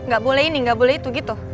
gak boleh ini nggak boleh itu gitu